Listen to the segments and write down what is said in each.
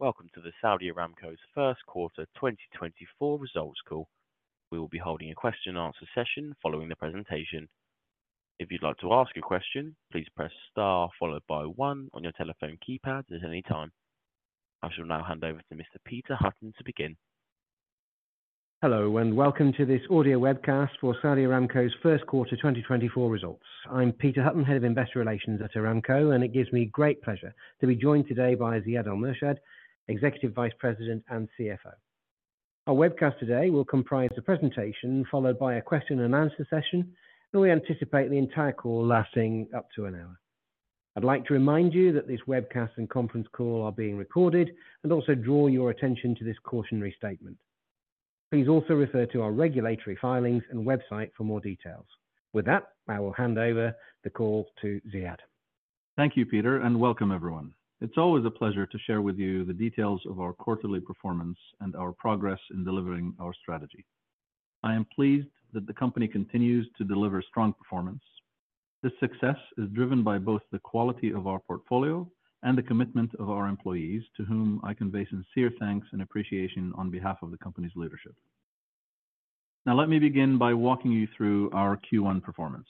Welcome to the Saudi Aramco's first quarter 2024 results call. We will be holding a question and answer session following the presentation. If you'd like to ask a question, please press star followed by one on your telephone keypad at any time. I shall now hand over to Mr. Peter Hutton to begin. Hello, and welcome to this audio webcast for Saudi Aramco's first quarter 2024 results. I'm Peter Hutton, Head of Investor Relations at Aramco, and it gives me great pleasure to be joined today by Ziad Al-Murshed, Executive Vice President and CFO. Our webcast today will comprise a presentation followed by a question and answer session, and we anticipate the entire call lasting up to an hour. I'd like to remind you that this webcast and conference call are being recorded and also draw your attention to this cautionary statement. Please also refer to our regulatory filings and website for more details. With that, I will hand over the call to Ziad. Thank you, Peter, and welcome everyone. It's always a pleasure to share with you the details of our quarterly performance and our progress in delivering our strategy. I am pleased that the company continues to deliver strong performance. This success is driven by both the quality of our portfolio and the commitment of our employees, to whom I convey sincere thanks and appreciation on behalf of the company's leadership. Now, let me begin by walking you through our Q1 performance.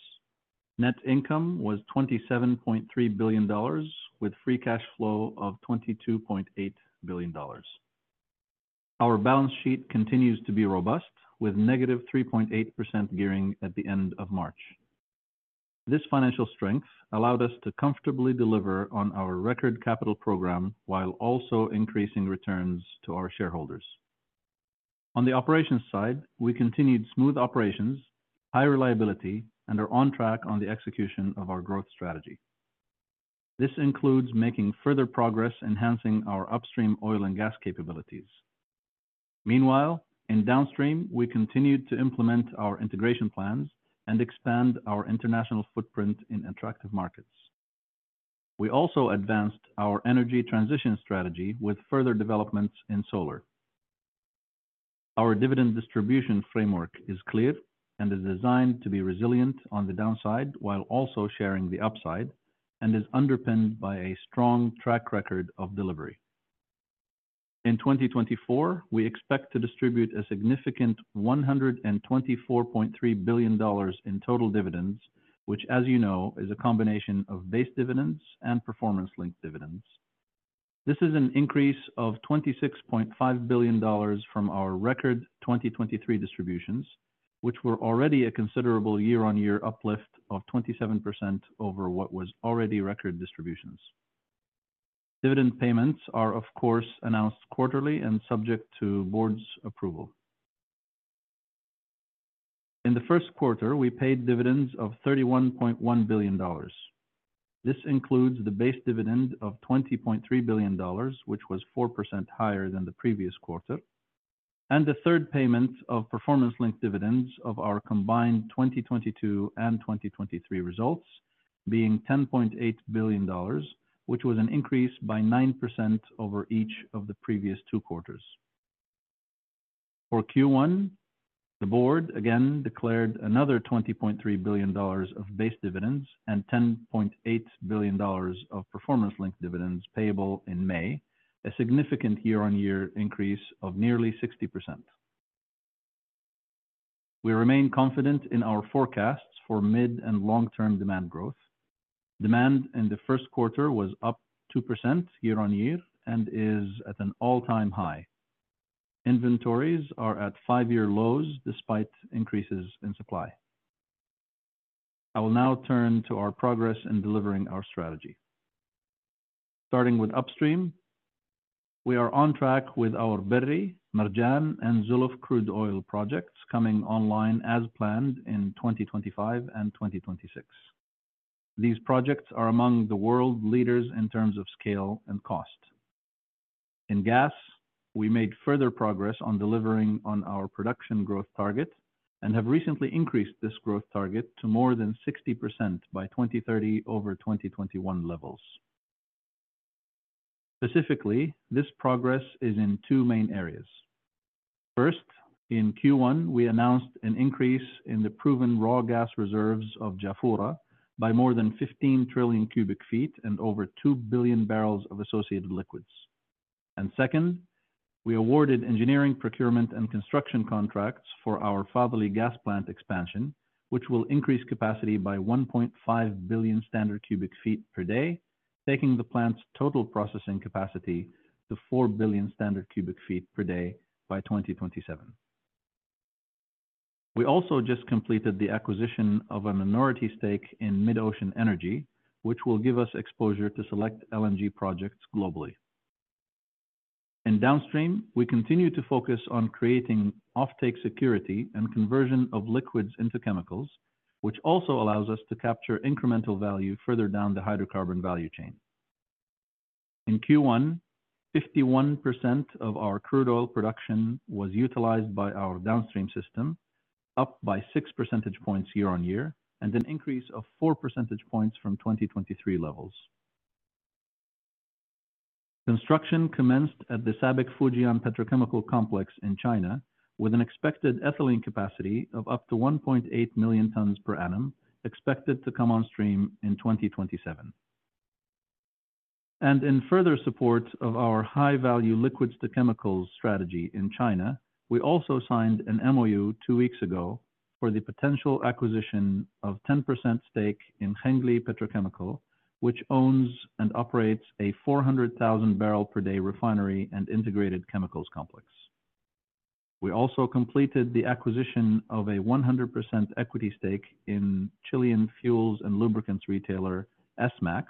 Net income was $27.3 billion, with free cash flow of $22.8 billion. Our balance sheet continues to be robust, with -3.8% gearing at the end of March. This financial strength allowed us to comfortably deliver on our record capital program while also increasing returns to our shareholders. On the operations side, we continued smooth operations, high reliability, and are on track on the execution of our growth strategy. This includes making further progress enhancing our upstream oil and gas capabilities. Meanwhile, in downstream, we continued to implement our integration plans and expand our international footprint in attractive markets. We also advanced our energy transition strategy with further developments in solar. Our dividend distribution framework is clear and is designed to be resilient on the downside, while also sharing the upside, and is underpinned by a strong track record of delivery. In 2024, we expect to distribute a significant $124.3 billion in total dividends, which, as you know, is a combination of base dividends and performance-linked dividends. This is an increase of $26.5 billion from our record 2023 distributions, which were already a considerable year-on-year uplift of 27% over what was already record distributions. Dividend payments are, of course, announced quarterly and subject to board's approval. In the first quarter, we paid dividends of $31.1 billion. This includes the base dividend of $20.3 billion, which was 4% higher than the previous quarter, and the third payment of performance-linked dividends of our combined 2022 and 2023 results, being $10.8 billion, which was an increase by 9% over each of the previous two quarters. For Q1, the board again declared another $20.3 billion of base dividends and $10.8 billion of performance-linked dividends payable in May, a significant year-on-year increase of nearly 60%. We remain confident in our forecasts for mid- and long-term demand growth. Demand in the first quarter was up 2% year-on-year and is at an all-time high. Inventories are at five-year lows despite increases in supply. I will now turn to our progress in delivering our strategy. Starting with upstream, we are on track with our Berri, Marjan, and Zuluf crude oil projects coming online as planned in 2025 and 2026. These projects are among the world leaders in terms of scale and cost. In gas, we made further progress on delivering on our production growth target and have recently increased this growth target to more than 60% by 2030 over 2021 levels. Specifically, this progress is in two main areas. First, in Q1, we announced an increase in the proven raw gas reserves of Jafurah by more than 15 trillion cubic feet and over 2 billion barrels of associated liquids. Second, we awarded engineering, procurement, and construction contracts for our Fadhili Gas Plant expansion, which will increase capacity by 1.5 billion standard cubic feet per day, taking the plant's total processing capacity to 4 billion standard cubic feet per day by 2027. We also just completed the acquisition of a minority stake in MidOcean Energy, which will give us exposure to select LNG projects globally. In downstream, we continue to focus on creating offtake security and conversion of liquids into chemicals, which also allows us to capture incremental value further down the hydrocarbon value chain. In Q1, 51% of our crude oil production was utilized by our downstream system, up by six percentage points year-on-year, and an increase of four percentage points from 2023 levels. Construction commenced at the SABIC Fujian Petrochemical Complex in China, with an expected ethylene capacity of up to 1.8 million tons per annum, expected to come on stream in 2027. And in further support of our high-value liquids-to-chemicals strategy in China, we also signed an MOU two weeks ago for the potential acquisition of 10% stake in Hengli Petrochemical, which owns and operates a 400,000 barrel per day refinery and integrated chemicals complex. We also completed the acquisition of a 100% equity stake in Chilean fuels and lubricants retailer, Esmax,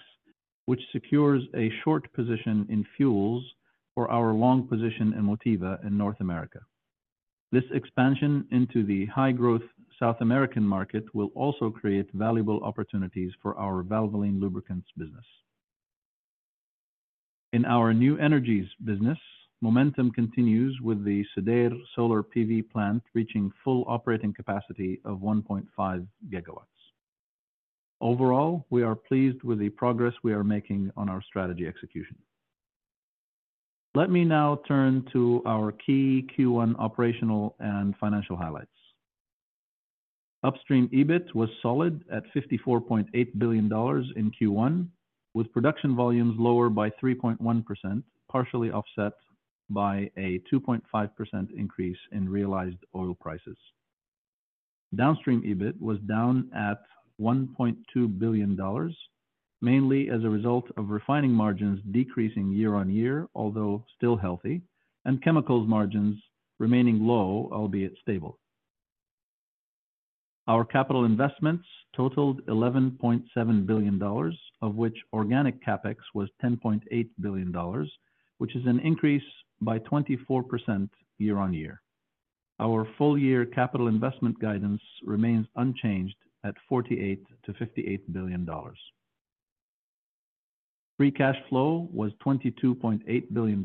which secures a short position in fuels for our long position in Motiva in North America. This expansion into the high-growth South American market will also create valuable opportunities for our Valvoline lubricants business. In our new energies business, momentum continues with the Sudair Solar PV Plant, reaching full operating capacity of 1.5 gigawatts. Overall, we are pleased with the progress we are making on our strategy execution. Let me now turn to our key Q1 operational and financial highlights. Upstream EBIT was solid at $54.8 billion in Q1, with production volumes lower by 3.1%, partially offset by a 2.5% increase in realized oil prices. Downstream EBIT was down at $1.2 billion, mainly as a result of refining margins decreasing year-on-year, although still healthy, and chemicals margins remaining low, albeit stable. Our capital investments totaled $11.7 billion, of which organic CapEx was $10.8 billion, which is an increase by 24% year-on-year. Our full-year capital investment guidance remains unchanged at $48 billion-$58 billion. Free cash flow was $22.8 billion,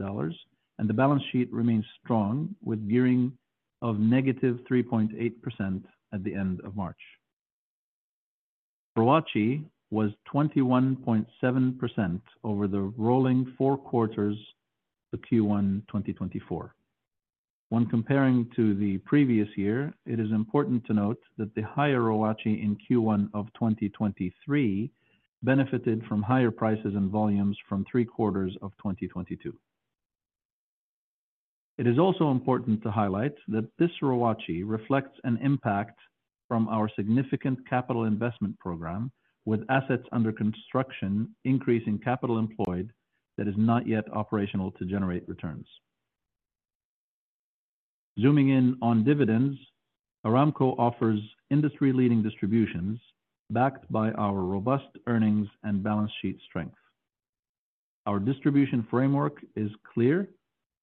and the balance sheet remains strong, with gearing of -3.8% at the end of March. ROACE was 21.7% over the rolling four quarters to Q1 2024. When comparing to the previous year, it is important to note that the higher ROACE in Q1 of 2023 benefited from higher prices and volumes from three quarters of 2022. It is also important to highlight that this ROACE reflects an impact from our significant capital investment program, with assets under construction increasing capital employed that is not yet operational to generate returns. Zooming in on dividends, Aramco offers industry-leading distributions backed by our robust earnings and balance sheet strength. Our distribution framework is clear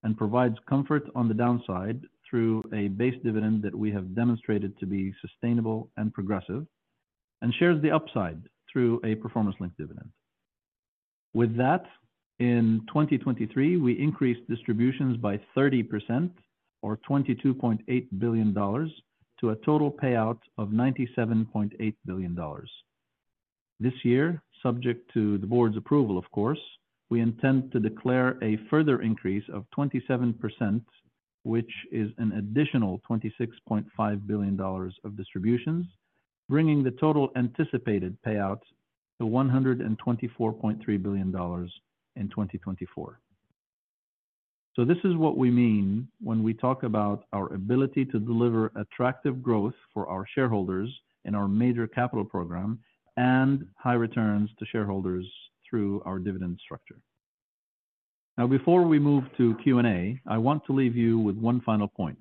and provides comfort on the downside through a base dividend that we have demonstrated to be sustainable and progressive, and shares the upside through a performance-linked dividend. With that, in 2023, we increased distributions by 30% or $22.8 billion, to a total payout of $97.8 billion. This year, subject to the board's approval, of course, we intend to declare a further increase of 27%, which is an additional $26.5 billion of distributions, bringing the total anticipated payouts to $124.3 billion in 2024. So this is what we mean when we talk about our ability to deliver attractive growth for our shareholders in our major capital program and high returns to shareholders through our dividend structure. Now, before we move to Q&A, I want to leave you with one final point.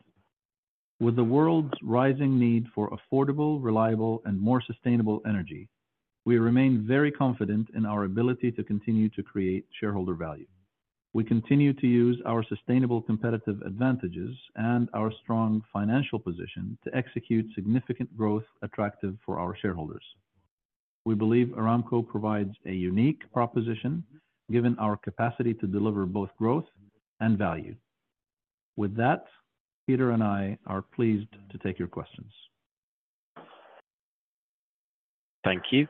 With the world's rising need for affordable, reliable, and more sustainable energy, we remain very confident in our ability to continue to create shareholder value. We continue to use our sustainable competitive advantages and our strong financial position to execute significant growth attractive for our shareholders. We believe Aramco provides a unique proposition given our capacity to deliver both growth and value. With that, Peter and I are pleased to take your questions. Thank you.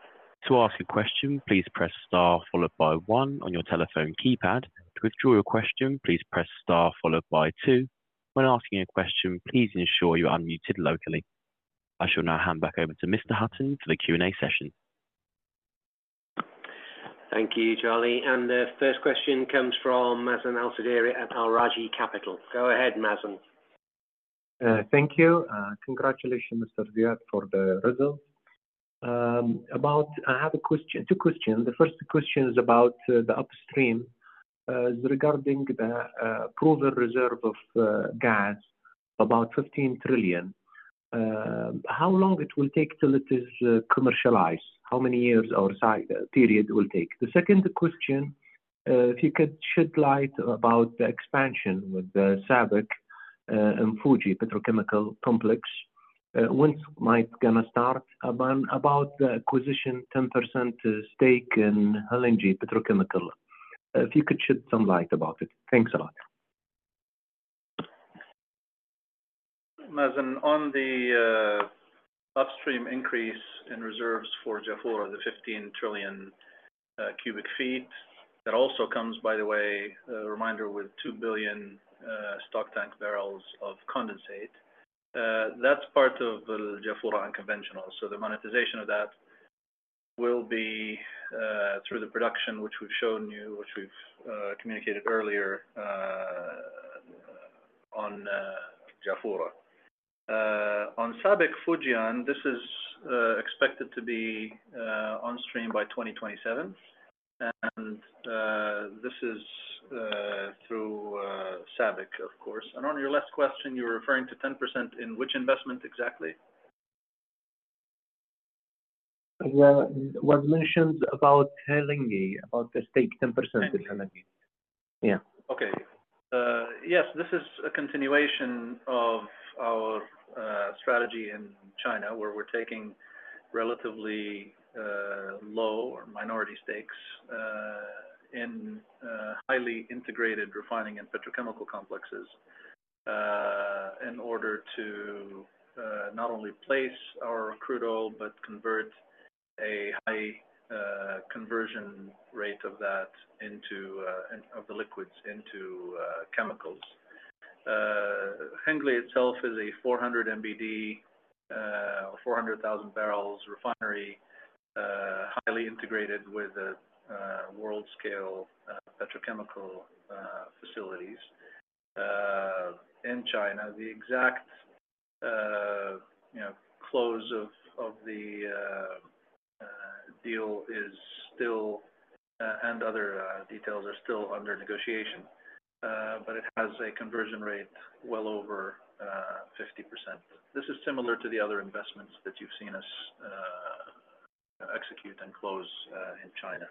To ask a question, please press star followed by one on your telephone keypad. To withdraw your question, please press star followed by two. When asking a question, please ensure you're unmuted locally. I shall now hand back over to Mr. Hutton for the Q&A session. Thank you, Charlie. The first question comes from Mazen Al-Sudairi at Al Rajhi Capital. Go ahead, Mazen. Thank you. Congratulations, Mr. Ziad Al-Murshed, for the result. I have a question, two question. The first question is about the upstream. Regarding the proven reserve of gas, about 15 trillion, how long it will take till it is commercialized? How many years or time period it will take? The second question, if you could shed light about the expansion with the SABIC and Fujian Petrochemical Complex. When might gonna start? About the acquisition, 10% stake in Hengli Petrochemical. If you could shed some light about it. Thanks a lot. Mazen, on the upstream increase in reserves for Jafurah, the 15 trillion cubic feet, that also comes, by the way, a reminder with 2 billion stock tank barrels of condensate. That's part of the Jafurah unconventional, so the monetization of that will be through the production which we've shown you, which we've communicated earlier on Jafurah. On SABIC Fujian, this is expected to be on stream by 2027. This is through SABIC, of course. On your last question, you were referring to 10% in which investment exactly? Well, was mentioned about Hengli, about the stake, 10% in Hengli. Yeah. Okay. Yes, this is a continuation of our strategy in China, where we're taking relatively low or minority stakes in highly integrated refining and petrochemical complexes in order to not only place our crude oil, but convert a high conversion rate of that into in of the liquids into chemicals. Hengli itself is a 400 MBD, 400,000 barrels refinery, highly integrated with the world-scale petrochemical facilities in China. The exact, you know, close of the deal is still and other details are still under negotiation, but it has a conversion rate well over 50%. This is similar to the other investments that you've seen us execute and close in China.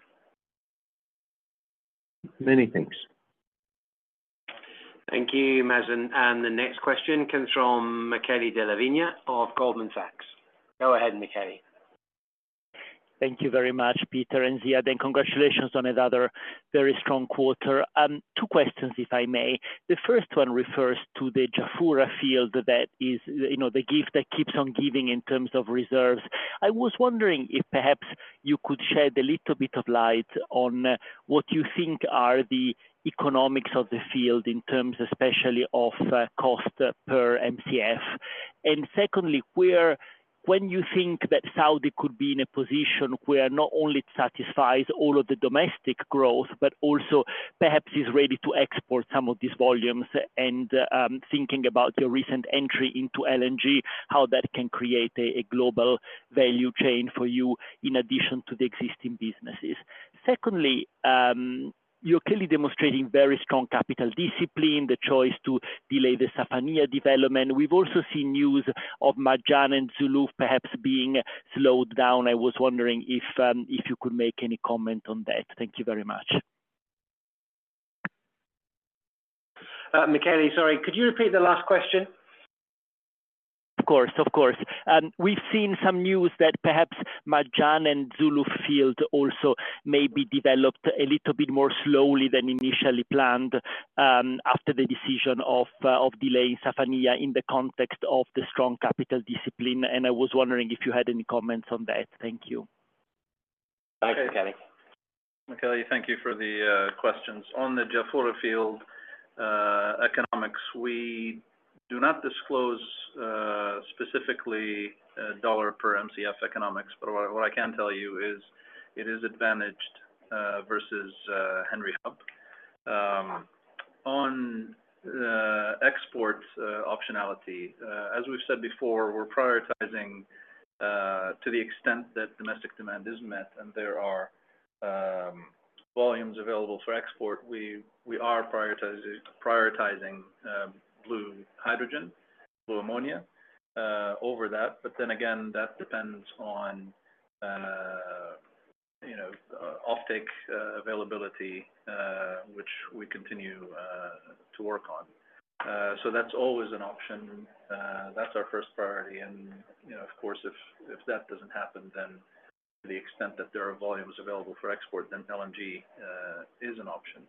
Many thanks. Thank you, Mazen. The next question comes from Michele Della Vigna of Goldman Sachs. Go ahead, Michele. Thank you very much, Peter and Ziad, and congratulations on another very strong quarter. Two questions, if I may. The first one refers to the Jafurah field that is, you know, the gift that keeps on giving in terms of reserves. I was wondering if perhaps you could shed a little bit of light on what you think are the economics of the field in terms, especially of, cost per MCF. And secondly, when you think that Saudi could be in a position where not only it satisfies all of the domestic growth, but also perhaps is ready to export some of these volumes and, thinking about your recent entry into LNG, how that can create a, a global value chain for you in addition to the existing businesses. Secondly, you're clearly demonstrating very strong capital discipline, the choice to delay the Safaniya development. We've also seen news of Marjan and Zuluf perhaps being slowed down. I was wondering if, if you could make any comment on that. Thank you very much. Michele, sorry, could you repeat the last question? Of course, of course. We've seen some news that perhaps Marjan and Zuluf field also may be developed a little bit more slowly than initially planned, after the decision of delaying Safaniya in the context of the strong capital discipline, and I was wondering if you had any comments on that. Thank you. Thanks, Michele. Michele, thank you for the questions. On the Jafurah field economics, we do not disclose specifically $ per MCF economics, but what I can tell you is it is advantaged versus Henry Hub. On export optionality, as we've said before, we're prioritizing, to the extent that domestic demand is met and there are volumes available for export, we are prioritizing blue hydrogen, blue ammonia over that. But then again, that depends on you know offtake availability, which we continue to work on. So that's always an option. That's our first priority and, you know, of course, if that doesn't happen, then to the extent that there are volumes available for export, then LNG is an option.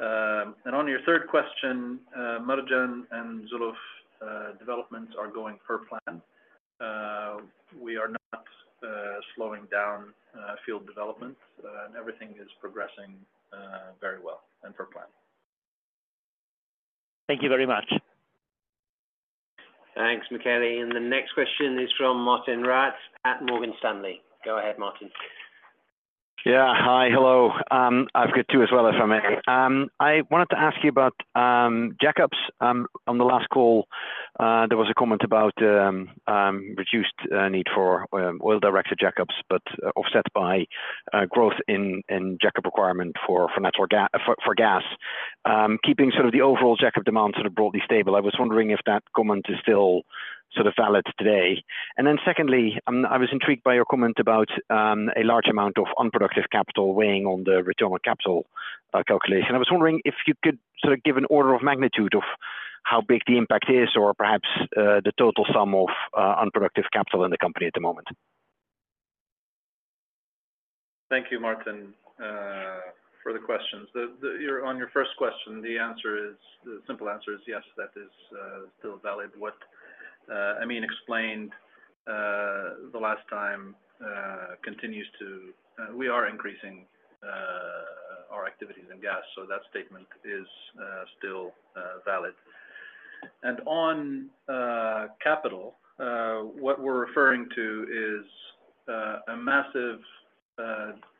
On your third question, Marjan and Zuluf developments are going per plan. We are not slowing down field development, and everything is progressing very well and per plan. Thank you very much. Thanks, Michele. The next question is from Martijn Rats at Morgan Stanley. Go ahead, Martijn. Yeah. Hi. Hello. I've got two as well, if I may. I wanted to ask you about jackups. On the last call, there was a comment about reduced need for offshore jackups, but offset by growth in jackup requirement for gas. Keeping sort of the overall jackup demand sort of broadly stable, I was wondering if that comment is still sort of valid today. And then secondly, I was intrigued by your comment about a large amount of unproductive capital weighing on the return on capital calculation. I was wondering if you could sort of give an order of magnitude of how big the impact is, or perhaps the total sum of unproductive capital in the company at the moment. Thank you, Martin, for the questions. On your first question, the answer is, the simple answer is yes, that is still valid. What Amin explained the last time continues to, we are increasing our activities in gas, so that statement is still valid. And on capital, what we're referring to is a massive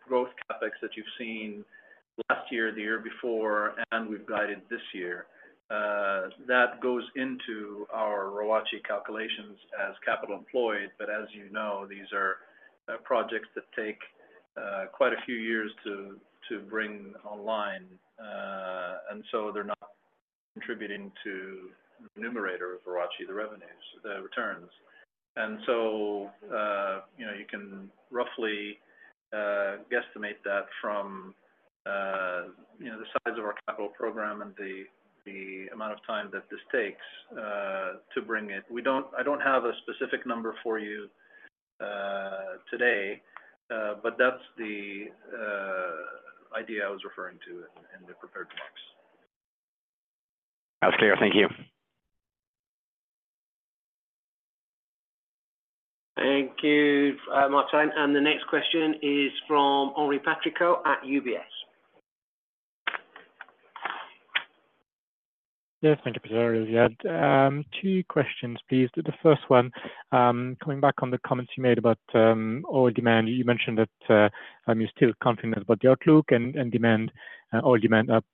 growth CapEx that you've seen last year, the year before, and we've guided this year. That goes into our ROACE calculations as capital employed, but as you know, these are projects that take quite a few years to bring online. And so they're not contributing to the numerator of ROACE, the revenues, the returns. You know, you can roughly guesstimate that from, you know, the size of our capital program and the amount of time that this takes to bring it. I don't have a specific number for you today, but that's the idea I was referring to in the prepared remarks. That's clear. Thank you. Thank you, Martin. The next question is from Henri Patricot at UBS. Yes, thank you. So we have two questions, please. The first one coming back on the comments you made about oil demand. You mentioned that you're still confident about the outlook and oil demand up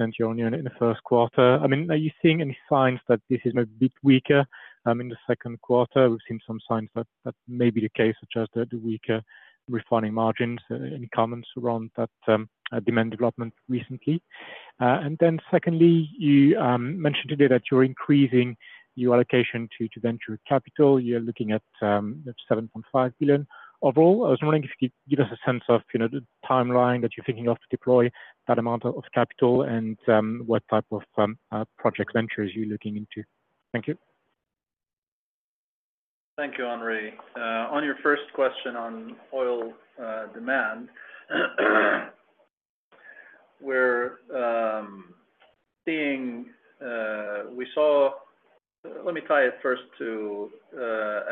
2% year-on-year in the first quarter. I mean, are you seeing any signs that this is maybe a bit weaker in the second quarter? We've seen some signs that may be the case, such as the weaker refining margins. Any comments around that demand development recently? And then secondly, you mentioned today that you're increasing your allocation to venture capital. You're looking at $7.5 billion. Overall, I was wondering if you could give us a sense of, you know, the timeline that you're thinking of to deploy that amount of capital and what type of project ventures you're looking into. Thank you. Thank you, Henri. On your first question on oil demand, we're seeing. Let me tie it first to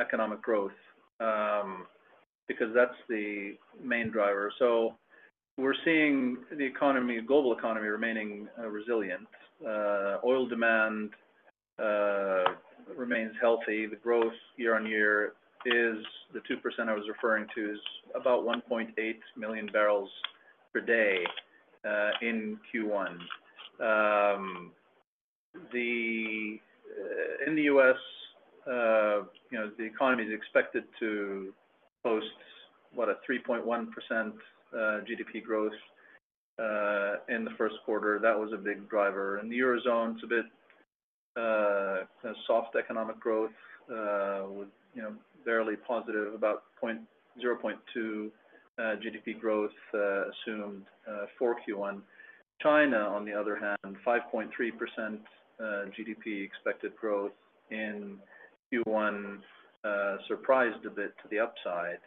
economic growth, because that's the main driver. So we're seeing the global economy remaining resilient. Oil demand remains healthy. The growth year-on-year is the 2% I was referring to, is about 1.8 million barrels per day in Q1. In the U.S., you know, the economy is expected to post a 3.1% GDP growth in the first quarter. That was a big driver. In the Eurozone, it's a bit of a soft economic growth with, you know, barely positive, about 0.2% GDP growth assumed for Q1. China, on the other hand, 5.3% GDP expected growth in Q1 surprised a bit to the upside.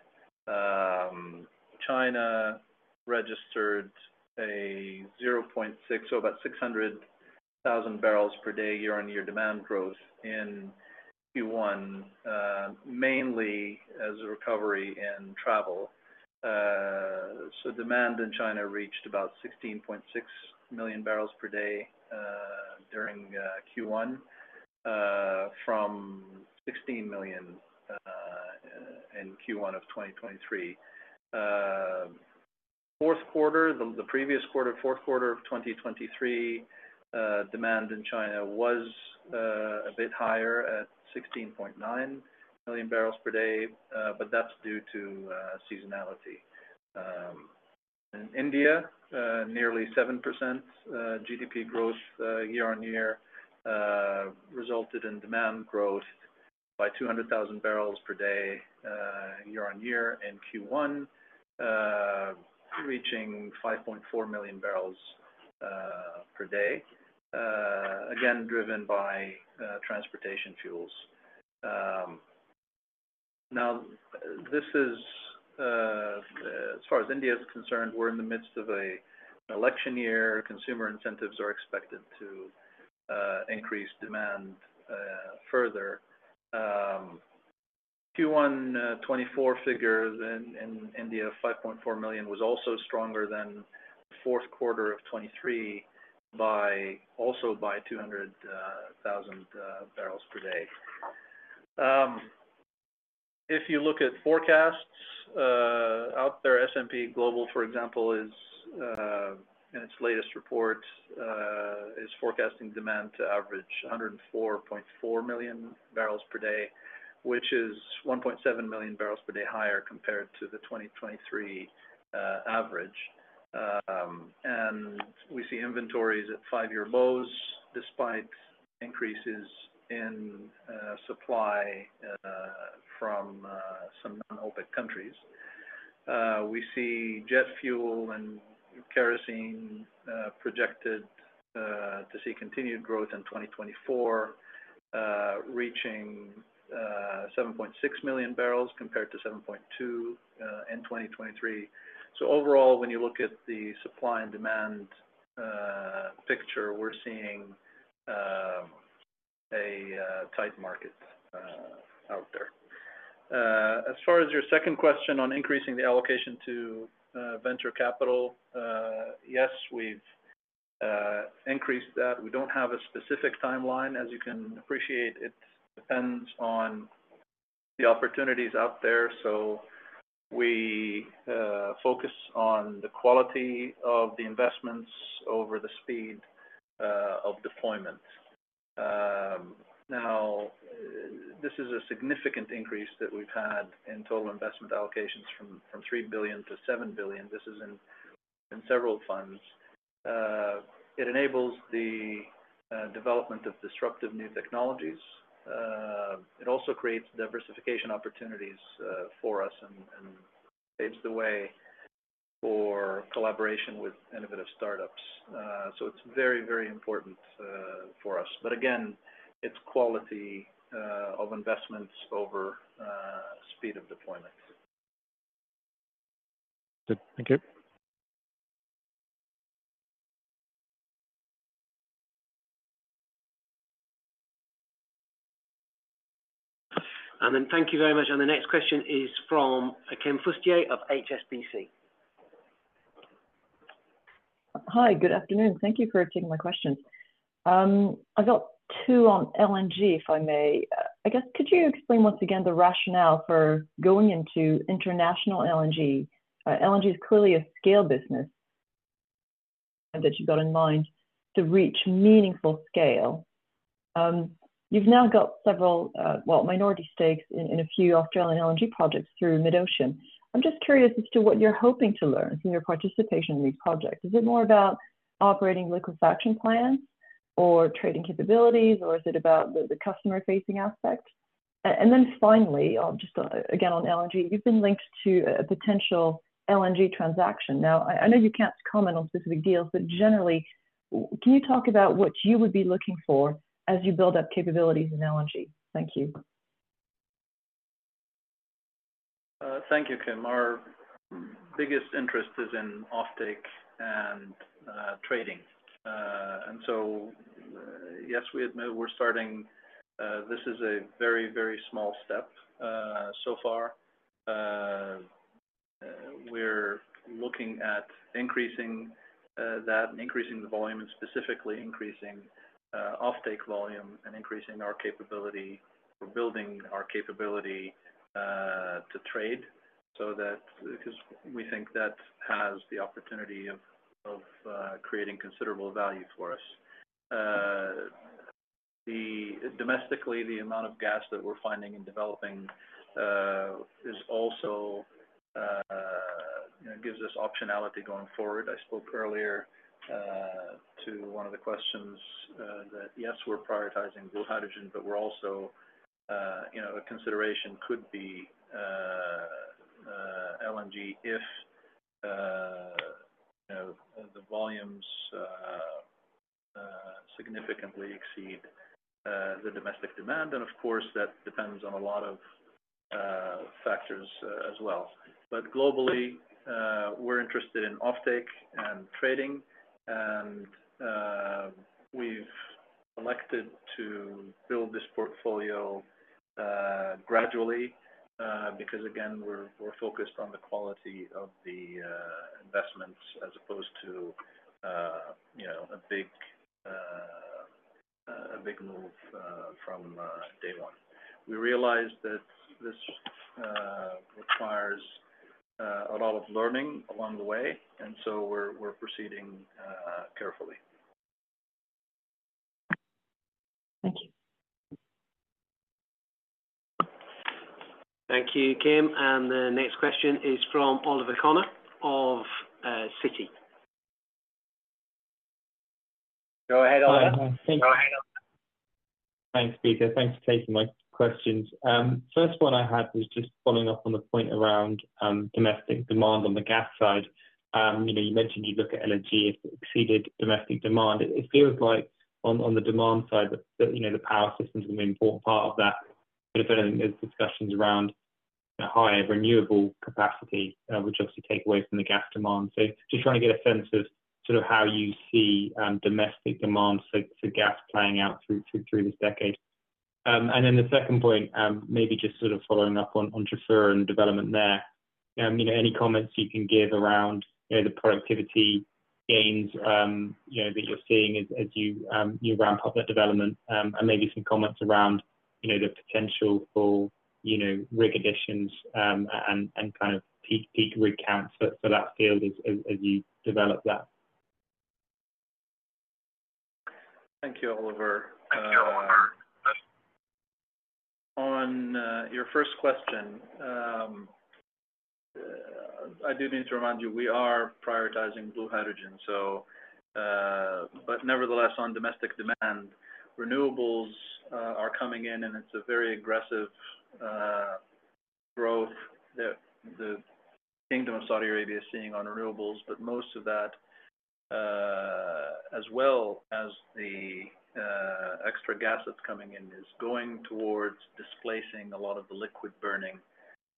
China registered a 0.6, so about 600,000 barrels per day, year-on-year demand growth in Q1, mainly as a recovery in travel. So demand in China reached about 16.6 million barrels per day, during Q1, from 16 million in Q1 of 2023. Fourth quarter, the previous quarter, fourth quarter of 2023, demand in China was a bit higher at 16.9 million barrels per day, but that's due to seasonality. In India, nearly 7% GDP growth, year-on-year, resulted in demand growth by 200,000 barrels per day, year-on-year in Q1, reaching 5.4 million barrels per day. Again, driven by transportation fuels. Now, this is, as far as India is concerned, we're in the midst of an election year. Consumer incentives are expected to increase demand further. Q1 2024 figures in India, 5.4 million, was also stronger than the fourth quarter of 2023 by also by 200,000 barrels per day. If you look at forecasts out there, S&P Global, for example, is in its latest report is forecasting demand to average 104.4 million barrels per day, which is 1.7 million barrels per day higher compared to the 2023 average. And we see inventories at five-year lows, despite increases in supply from some non-OPEC countries. We see jet fuel and kerosene projected to see continued growth in 2024, reaching 7.6 million barrels compared to 7.2 in 2023. So overall, when you look at the supply and demand picture, we're seeing tight markets out there. As far as your second question on increasing the allocation to venture capital, yes, we've increased that. We don't have a specific timeline. As you can appreciate, it depends on the opportunities out there. So we focus on the quality of the investments over the speed of deployment. Now, this is a significant increase that we've had in total investment allocations from $3 billion to $7 billion. This is in several funds. It enables the development of disruptive new technologies. It also creates diversification opportunities for us and paves the way for collaboration with innovative startups. So it's very, very important for us. But again, it's quality of investments over speed of deployment. Good. Thank you. Then, thank you very much. The next question is from Kim Fustier of HSBC. Hi, good afternoon. Thank you for taking my question. I've got two on LNG, if I may. I guess, could you explain once again the rationale for going into international LNG? LNG is clearly a scale business, and that you got in mind to reach meaningful scale. You've now got several, well, minority stakes in a few Australian LNG projects through MidOcean. I'm just curious as to what you're hoping to learn from your participation in these projects. Is it more about operating liquefaction plants or trading capabilities, or is it about the customer-facing aspect? And then finally, just, again, on LNG, you've been linked to a potential LNG transaction. Now, I know you can't comment on specific deals, but generally, can you talk about what you would be looking for as you build up capabilities in LNG? Thank you. Thank you, Kim. Our biggest interest is in offtake and trading. And so, yes, we admit we're starting. This is a very, very small step. So far, we're looking at increasing that, increasing the volume, and specifically increasing offtake volume and increasing our capability. We're building our capability to trade so that, because we think that has the opportunity of creating considerable value for us. Domestically, the amount of gas that we're finding and developing is also, you know, gives us optionality going forward. I spoke earlier to one of the questions that yes, we're prioritizing blue hydrogen, but we're also, you know, a consideration could be LNG if, you know, the volumes significantly exceed the domestic demand. Of course, that depends on a lot of factors as well. But globally, we're interested in offtake and trading, and we've elected to build this portfolio gradually, because, again, we're focused on the quality of the investments as opposed to, you know, a big move from day one. We realize that this requires a lot of learning along the way, and so we're proceeding carefully. Thank you. Thank you, Kim. The next question is from Oliver Connor of Citi. Go ahead, Oliver. Thanks, Peter. Thanks for taking my questions. First one I had was just following up on the point around domestic demand on the gas side. You know, you mentioned you look at LNG if it exceeded domestic demand. It feels like on the demand side, that you know, the power system is an important part of that. But if there is discussions around a higher renewable capacity, which obviously take away from the gas demand. So just trying to get a sense of sort of how you see domestic demand for gas playing out through this decade. And then the second point, maybe just sort of following up on Jafurah and development there. You know, any comments you can give around, you know, the productivity gains, you know, that you're seeing as you ramp up the development, and maybe some comments around, you know, the potential for, you know, rig additions, and kind of peak rig counts for that field as you develop that? Thank you, Oliver. On your first question, I do need to remind you, we are prioritizing blue hydrogen, so but nevertheless, on domestic demand, renewables are coming in, and it's a very aggressive growth that the Kingdom of Saudi Arabia is seeing on renewables. But most of that, as well as the extra gas that's coming in, is going towards displacing a lot of the liquid burning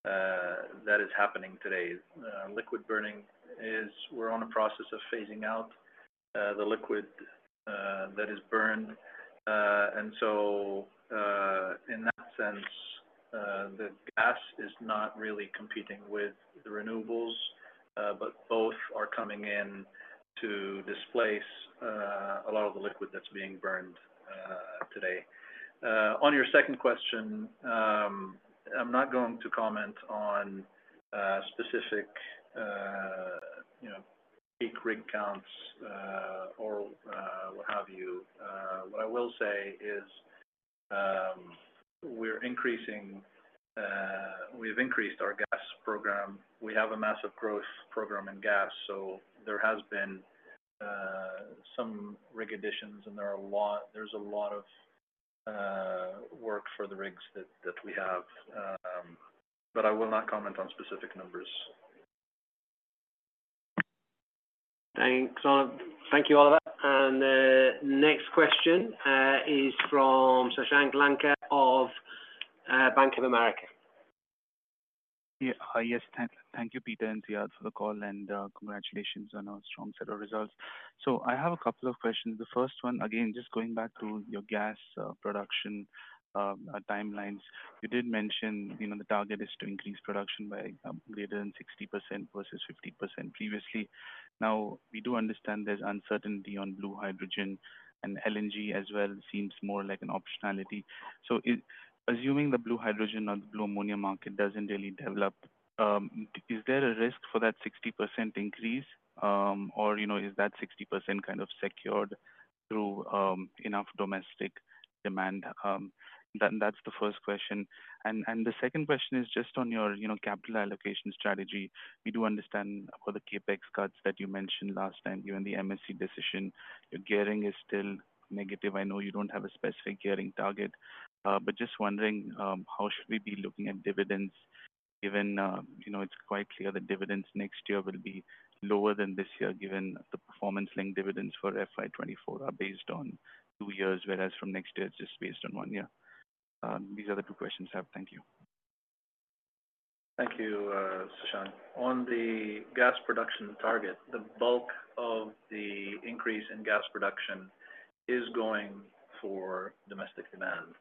that is happening today. Liquid burning is; we're on a process of phasing out the liquid that is burned. And so, in that sense, the gas is not really competing with the renewables, but both are coming in to displace a lot of the liquid that's being burned today. On your second question, I'm not going to comment on specific, you know, peak rig counts, or what have you. What I will say is, we're increasing, we've increased our gas program. We have a massive growth program in gas, so there has been some rig additions, and there are a lot, there's a lot of work for the rigs that we have. But I will not comment on specific numbers. Thanks. Thank you, Oliver. And the next question is from Shashank Lanka of Bank of America. Yeah. Yes, thank you, Peter and Ziad, for the call, and congratulations on a strong set of results. So I have a couple of questions. The first one, again, just going back to your gas production timelines. You did mention, you know, the target is to increase production by greater than 60% versus 50% previously. Now, we do understand there's uncertainty on blue hydrogen, and LNG as well seems more like an optionality. So assuming the blue hydrogen or the blue ammonia market doesn't really develop, is there a risk for that 60% increase? Or, you know, is that 60% kind of secured through enough domestic demand? Then that's the first question. And the second question is just on your, you know, capital allocation strategy. We do understand for the CapEx cuts that you mentioned last time, given the MSC decision, your gearing is still negative. I know you don't have a specific gearing target, but just wondering, how should we be looking at dividends given, you know, it's quite clear that dividends next year will be lower than this year, given the performance-linked dividends for FY 2024 are based on two years, whereas from next year, it's just based on one year. These are the two questions I have. Thank you. Thank you, Shashank. On the gas production target, the bulk of the increase in gas production is going for domestic demand.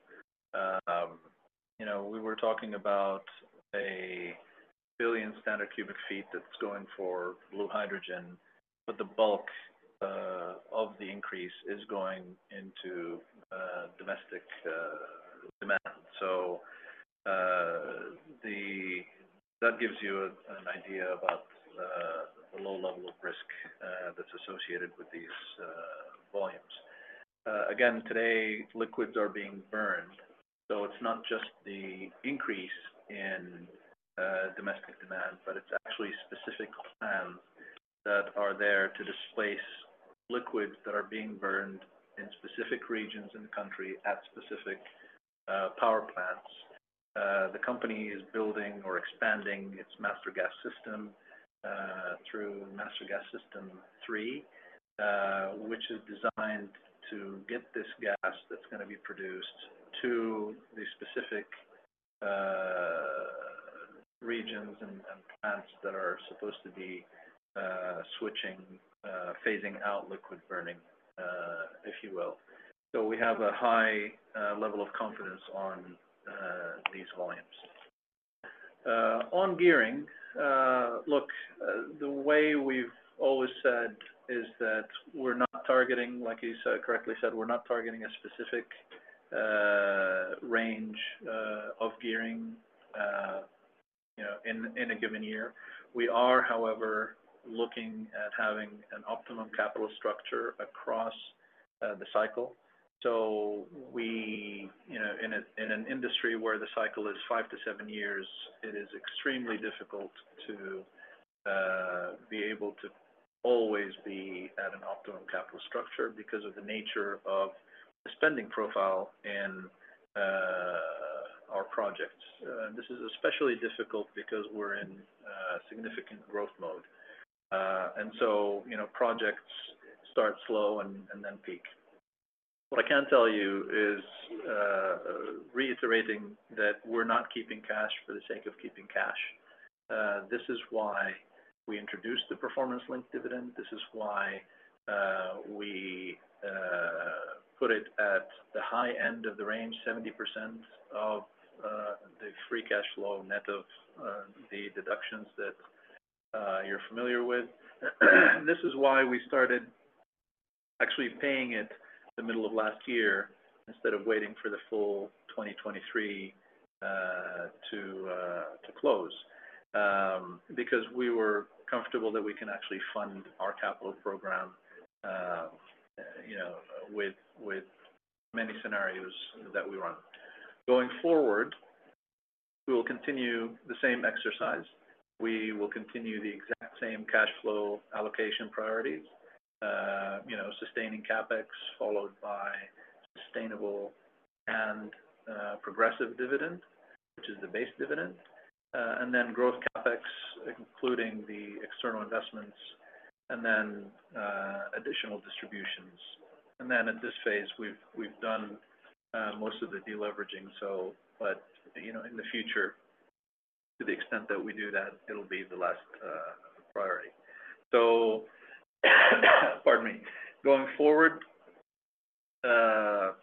You know, we were talking about 1 billion standard cubic feet that's going for blue hydrogen, but the bulk of the increase is going into domestic demand. So, that gives you an idea about the low level of risk that's associated with these volumes. Again, today, liquids are being burned, so it's not just the increase in domestic demand, but it's actually specific plans that are there to displace liquids that are being burned in specific regions in the country at specific power plants. The company is building or expanding its Master Gas System through Master Gas System three, which is designed to get this gas that's gonna be produced to the specific regions and plants that are supposed to be switching, phasing out liquid burning, if you will. So we have a high level of confidence on these volumes. On gearing, look, the way we've always said is that we're not targeting, like you so correctly said, we're not targeting a specific range of gearing, you know, in a given year. We are, however, looking at having an optimum capital structure across the cycle. So we, you know, in an industry where the cycle is 5-7 years, it is extremely difficult to be able to always be at an optimum capital structure because of the nature of the spending profile in our projects. This is especially difficult because we're in significant growth mode. And so, you know, projects start slow and then peak. What I can tell you is, reiterating that we're not keeping cash for the sake of keeping cash. This is why we introduced the performance-linked dividend. This is why we put it at the high end of the range, 70% of the free cash flow, net of the deductions that you're familiar with. This is why we started actually paying it the middle of last year instead of waiting for the full 2023 to close. Because we were comfortable that we can actually fund our capital program, you know, with many scenarios that we run. Going forward, we will continue the same exercise. We will continue the exact same cash flow allocation priorities, you know, sustaining CapEx, followed by sustainable and progressive dividend, which is the base dividend, and then growth CapEx, including the external investments, and then additional distributions. And then at this phase, we've done most of the deleveraging, so, but, you know, in the future, to the extent that we do that, it'll be the last priority. So, pardon me. Going forward,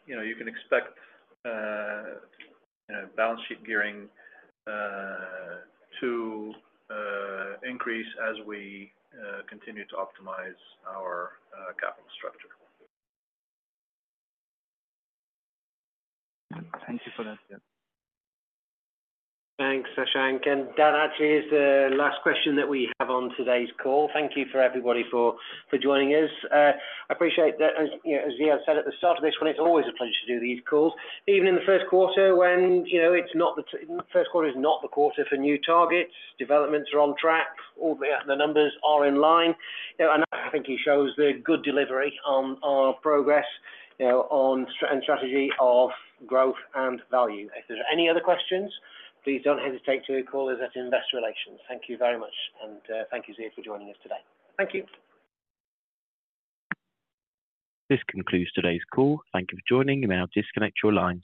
you know, you can expect, you know, balance sheet gearing to increase as we continue to optimize our capital structure. Thank you for that, yeah. Thanks, Shashank. And that actually is the last question that we have on today's call. Thank you for everybody for joining us. I appreciate that. As you know, as Ziad said at the start of this one, it's always a pleasure to do these calls. Even in the first quarter, when you know it's not the first quarter is not the quarter for new targets, developments are on track, all the numbers are in line. You know, and I think it shows the good delivery on our progress, you know, on strategy of growth and value. If there are any other questions, please don't hesitate to call us at Investor Relations. Thank you very much, and thank you, Ziad, for joining us today. Thank you. This concludes today's call. Thank you for joining. You may now disconnect your lines.